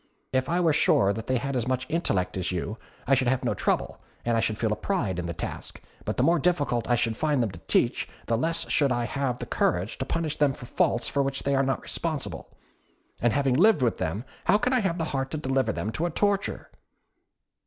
If I were sure that they had as much intellect as you, I should have no trouble, and I should feel a pride in the task; but the more difficult I should find them to teach, the less should I have the courage to punish them for faults for which they are not responsible. And having lived with them, how can I have the heart to deliver them to a torture?"